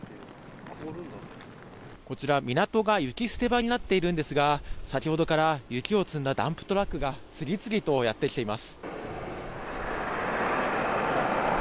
こちら、港が雪捨て場になっているんですが先ほどから雪を積んだダンプトラックが次々とやってきています。